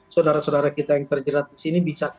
saudara saudara kita yang terjerat di sini bisa